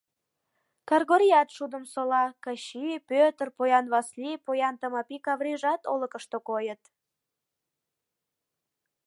Кыргорият шудым сола; Кычи, Пӧтыр, поян Васлий, поян Тымапий Каврийжат олыкышто койыт.